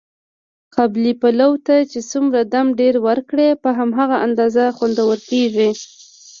قابلي پلو ته چې څومره دم ډېر ور کړې، په هماغه اندازه خوندور کېږي.